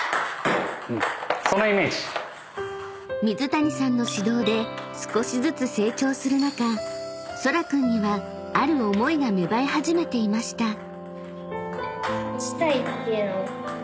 ［水谷さんの指導で少しずつ成長する中そら君にはある思いが芽生え始めていました］